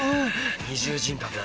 二重人格だな。